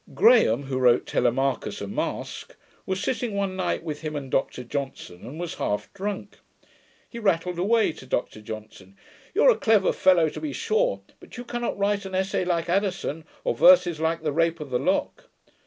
Graham, who wrote Telemachus, a Masque, was sitting one night with him and Dr Johnson, and was half drunk. He rattled away to Dr Johnson: 'You are a clever fellow, to be sure; but you cannot write an essay like Addison, or verses like the Rape of the Lock.'